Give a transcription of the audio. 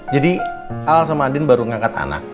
jadi al sama andien baru ngangkat anak